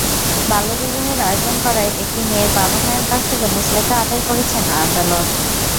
বাল্যবিবাহের আয়োজন করায় একটি মেয়ের বাবা-মায়ের কাছ থেকে মুচলেকা আদায় করেছেন আদালত।